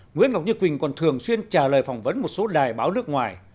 nguyễn ngọc như quỳnh còn thường xuyên trả lời phỏng vấn một số đài báo nước ngoài